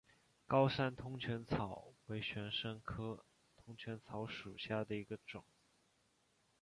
高山通泉草为玄参科通泉草属下的一个种。